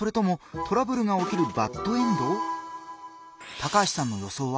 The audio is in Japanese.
高橋さんの予想は？